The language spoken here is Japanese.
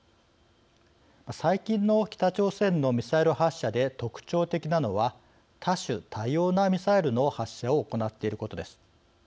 最近の北朝鮮のミサイル発射で特徴的なのは多種多様なミサイルの発射を行っていることです。